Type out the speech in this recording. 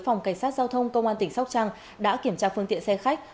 phòng cảnh sát giao thông công an tỉnh sóc trăng đã kiểm tra phương tiện xe khách